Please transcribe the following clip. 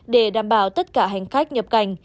để đảm bảo tất cả hành khách nhập cảnh